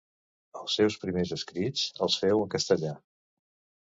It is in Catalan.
Els seus primers escrits, els feu en castellà.